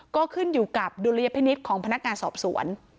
ก็ขึ้นอยู่กับดุลยพินิษฐ์ของพนักงานสอบสวน